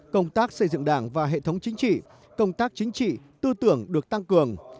công tác xây dựng đảng và hệ thống chính trị công tác chính trị tư tưởng được tăng cường